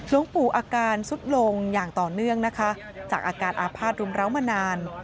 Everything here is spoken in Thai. หลวงปู่อาการสุดลงอย่างต่อเนื่องนะคะจากอาการอาภาษณรุมร้าวมานาน